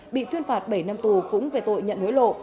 bị tuyên phạt bảy năm tù cũng về tội nhận hối lộ